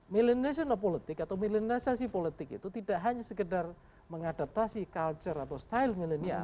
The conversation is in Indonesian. milenialisasi politik atau mileniasasi politik itu tidak hanya sekedar mengadaptasi culture atau style milenial